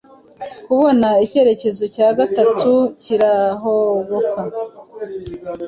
Kubona icyerekezo cya gatatu kirahoboka